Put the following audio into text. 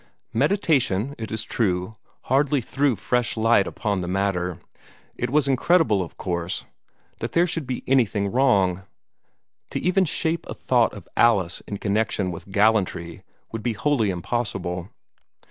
Meditation, it is true, hardly threw fresh light upon the matter. It was incredible, of course, that there should be anything wrong. To even shape a thought of Alice in connection with gallantry would be wholly impossible.